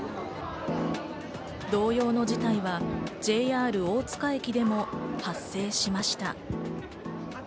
同様の事態はＪＲ大塚駅でも発生しました。